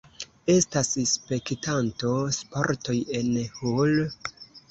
Estas spektanto-sportoj en Hull.